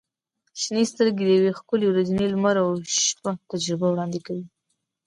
• شنې سترګې د یوې ښکلي ورځنۍ لمر او شپه تجربه وړاندې کوي.